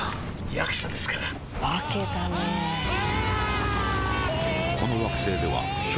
役者ですから化けたねうわーーー！